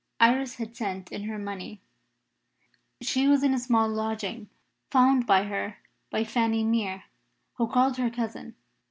Iris had sent in her money. She was in a small lodging found for her by Fanny Mere, who called her cousin.